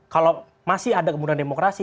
kalau masih ada kemudahan demokrasi